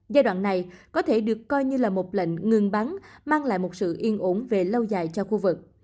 giai đoạn này có thể được coi như là một lệnh ngừng bắn mang lại một sự yên ổn về lâu dài cho khu vực